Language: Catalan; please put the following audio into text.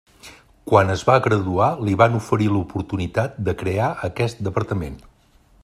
Quan es va graduar li van oferir l'oportunitat de crear aquest departament.